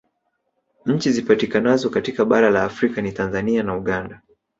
Nchi zipatikanazo katika bara la Afrika ni Tanzania na Uganda